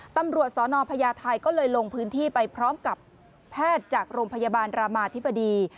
ตำรวจสนพญาไทยก็เลยลงพื้นที่ไปพร้อมกับแพทย์จากโรงพยาบาลรามาธิบดี